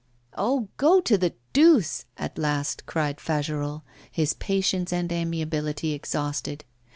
'Oh! go to the deuce!' at last cried Fagerolles, his patience and amiability exhausted.